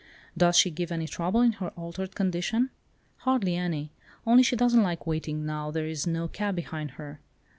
Does she give any trouble in her altered condition?" "Hardly any, only she doesn't like waiting, now there is no cab behind her.